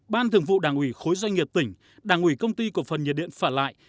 ban thường vụ đảng ủy khối doanh nghiệp tỉnh đảng ủy công ty của phần nhiệt điện phạm lại